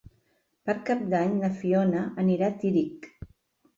Per Cap d'Any na Fiona anirà a Tírig.